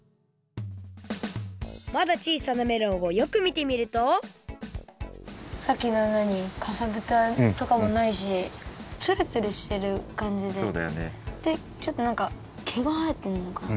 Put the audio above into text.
まだちいさなメロンをよくみてみるとさっきののようにかさぶたとかもないしつるつるしてるかんじででちょっとなんかけがはえてんのかな。